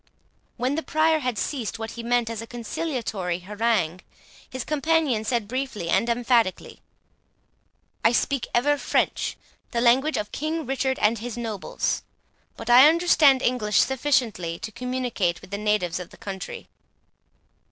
When the Prior had ceased what he meant as a conciliatory harangue, his companion said briefly and emphatically, "I speak ever French, the language of King Richard and his nobles; but I understand English sufficiently to communicate with the natives of the country."